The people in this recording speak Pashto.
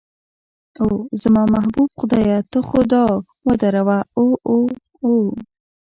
اوه، زما محبوب خدایه ته خو دا ودروه، اوه اوه اوه.